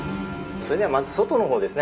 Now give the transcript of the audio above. それではまず外のほうですね